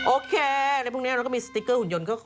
โอเคอะไรพวกนี้เราก็มีสติ๊กเกอร์หุ่นยนต์